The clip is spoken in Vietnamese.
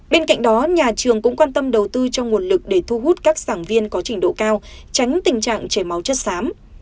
bên cạnh đó nhà trường cũng quan tâm đầu tư cho nguồn lực để thu hút các sảng viên có trình độ cao tránh tình trạng chảy máu chất xám